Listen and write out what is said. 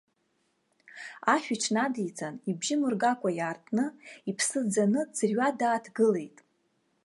Ашә иҽнадиҵан, абжьы мыргакәа иаартны, иԥсы ӡаны, дӡырҩа дааҭгылеит.